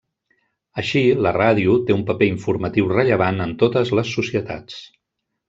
Així, la ràdio, té un paper informatiu rellevant en totes les societats.